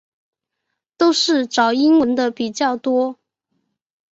都是找英文的比较多